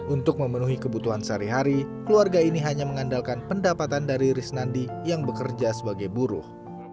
untuk memenuhi kebutuhan sehari hari keluarga ini hanya mengandalkan pendapatan dari risnandi yang bekerja sebagai buruh